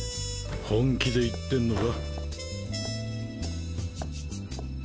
本気で言ってんのか？